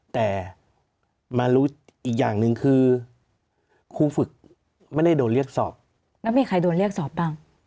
แต่มารู้อีกอย่างหนึ่งคือครูฝึกไม่ได้โดนเรียกสอบแล้วมีใครโดนเรียกสอบบ้าง